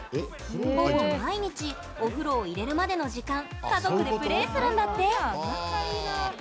ほぼ毎日お風呂を入れるまでの時間家族でプレイするんだって。